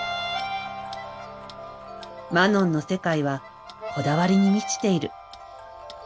マノンの世界はこだわりに満ちている。